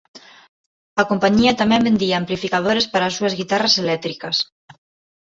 A compañía tamén vendía amplificadores para as súas guitarras eléctricas.